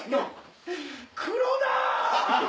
黒田！